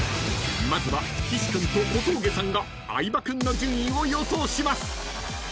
［まずは岸君と小峠さんが相葉君の順位を予想します］